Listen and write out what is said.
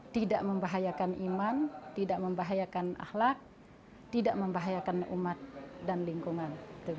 tidak membahayakan iman tidak membahayakan ahlak tidak membahayakan umat dan lingkungan